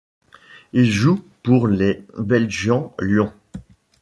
Il joue pour les Belgian Lions.